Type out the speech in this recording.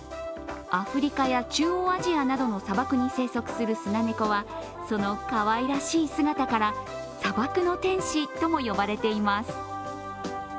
アフリカや中央アジアなどの砂漠に生息するスナネコはそのかわいらしい姿から砂漠の天使とも呼ばれています。